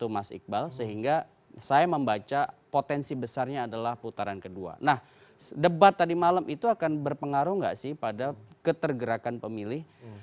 mas iqbal sehingga saya membaca potensi besarnya adalah putaran kedua nah debat tadi malam itu akan berpengaruh nggak sih pada ketergerakan pemilih